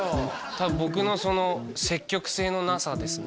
多分僕のその積極性のなさですね